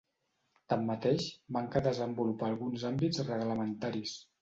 Tanmateix, manca desenvolupar alguns àmbits reglamentaris.